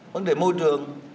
vấn đề năng suất lao động